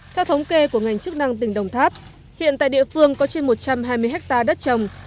theo thống kê của ngành chức năng tỉnh đồng tháp hiện tại địa phương có trên một trăm hai mươi hectare đất trồng